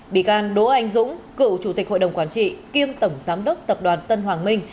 bị can đỗ anh dũng cựu chủ tịch hội đồng quản trị kiêm tổng giám đốc tập đoàn tân hoàng minh